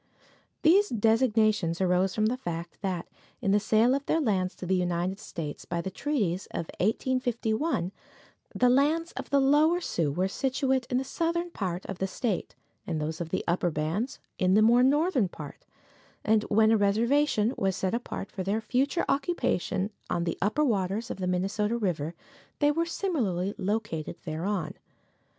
These designations arose from the fact that, in the sale of their lands to the United States by the treaties of 1851, the lands of the Lower Sioux were situate in the southern part of the state, and those of the upper bands in the more northern part, and when a reservation was set apart for their future occupation on the upper waters of the Minnesota river they were similarly located thereon.